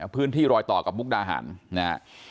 พื้นที่รอยต่อกับมุกดาหันฮะ